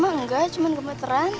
saya mah enggak cuma gemeteran